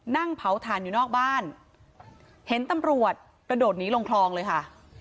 นั่งเผาถ่านอยู่นอกบ้านเห็นตำรวจกระโดดหนีลงคลองเลยค่ะ